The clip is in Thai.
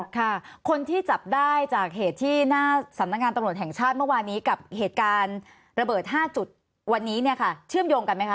ค่ะคนที่จับได้จากเหตุที่หน้าสำนักงานตำรวจแห่งชาติเมื่อวานี้กับเหตุการณ์ระเบิด๕จุดวันนี้เนี่ยค่ะเชื่อมโยงกันไหมคะ